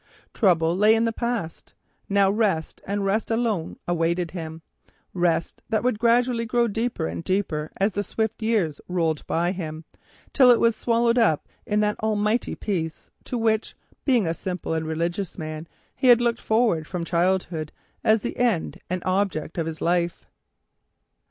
Trouble lay in the past, now rest and rest alone awaited him, rest that would gradually grow deeper and deeper as the swift years rolled by, till it was swallowed up in that almighty Peace to which, being a simple and religious man, he had looked forward from childhood as the end and object of his life.